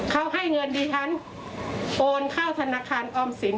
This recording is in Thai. เขาให้เงินดิฉันโอนเข้าธนาคารออมสิน